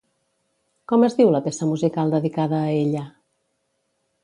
Com es diu la peça musical dedicada a ella?